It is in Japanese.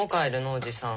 おじさん。